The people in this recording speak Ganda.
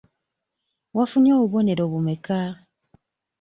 Wafunye obubonero bumeka?